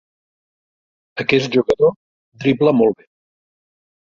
Aquest jugador dribla molt bé.